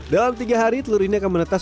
dalam tiga hari telur ini akan menetas